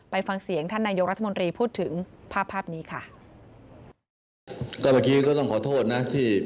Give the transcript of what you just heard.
ฟังเสียงท่านนายกรัฐมนตรีพูดถึงภาพภาพนี้ค่ะ